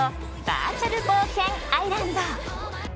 バーチャル冒険アイランド。